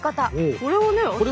これはね。